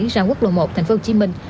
ra quốc lộ một thành phố hồ chí minh